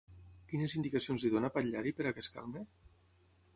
Quines indicacions li dona Patllari per a què es calmi?